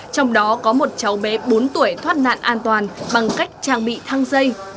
trong đó có một cháu bé bốn tuổi thoát nạn an toàn bằng cách trang bị thăng dây